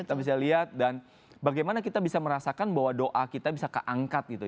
kita bisa lihat dan bagaimana kita bisa merasakan bahwa doa kita bisa keangkat gitu